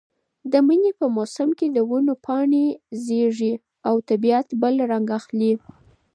د مني په موسم کې د ونو پاڼې ژېړېږي او طبیعت بل رنګ اخلي.